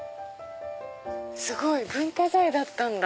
すごい！文化財だったんだ。